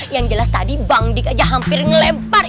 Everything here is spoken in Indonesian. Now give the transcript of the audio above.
yang jelas tadi bangdik aja hampir ngelempar